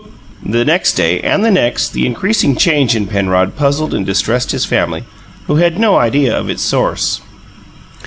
The next day, and the next, the increasing change in Penrod puzzled and distressed his family, who had no idea of its source.